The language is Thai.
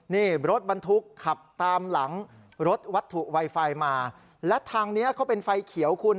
นี่รถบรรทุกขับตามหลังรถวัตถุไวไฟมาและทางเนี้ยเขาเป็นไฟเขียวคุณ